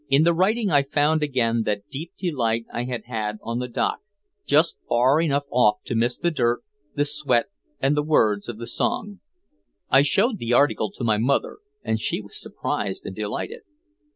In the writing I found again that deep delight I had had on the dock, just far enough off to miss the dirt, the sweat and the words of the song. I showed the article to my mother, and she was surprised and delighted.